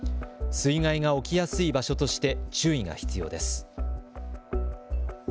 水害が起きやすい場所として注意が必要です。